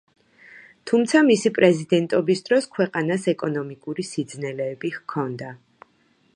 თუმცა, მისი პრეზიდენტობის დროს ქვეყანას ეკონომიკური სიძნელეები ჰქონდა.